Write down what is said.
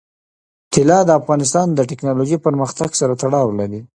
طلا د افغانستان د تکنالوژۍ پرمختګ سره تړاو لري.